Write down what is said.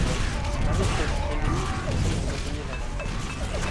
Marie-Claude Treilhou enseigne aux Ateliers Varan.